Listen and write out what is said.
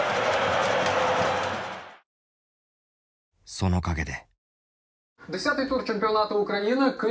その陰で。